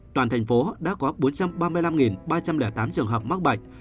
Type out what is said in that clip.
toàn thành phố đã có bốn trăm ba mươi năm ba trăm linh tám trường hợp mắc bệnh